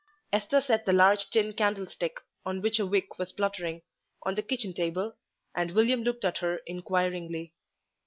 Esther set the large tin candlestick, on which a wick was spluttering, on the kitchen table, and William looked at her inquiringly.